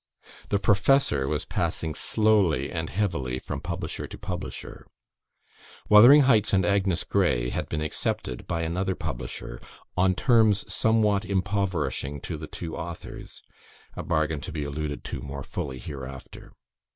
"The Professor" was passing slowly and heavily from publisher to publisher. "Wuthering Heights" and "Agnes Grey" had been accepted by another publisher, "on terms somewhat impoverishing to the two authors;" a bargain to be alluded to more fully hereafter.